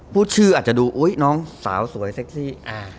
พูดชื่ออาจจะดูอุ๊ยน้องสาวสวยเซ็กซี่